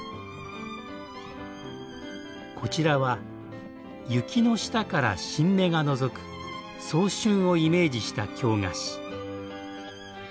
こちらは雪の下から新芽がのぞく早春をイメージした京菓子。